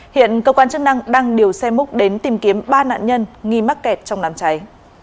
hiện cơ quan chức năng đang điều xe múc đến tìm kiếm ba nạn nhân nghi mắc kẹt trong đám cháy